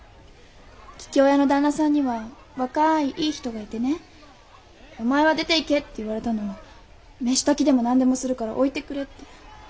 桔梗屋の旦那さんには若いいい人がいてねお前は出ていけって言われたのを飯炊きでもなんでもするから置いてくれって。